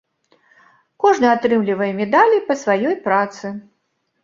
Кожны атрымлівае медалі па сваёй працы.